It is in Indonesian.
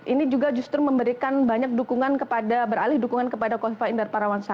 ini juga justru memberikan banyak dukungan kepada beralih dukungan kepada kofifa indar parawansa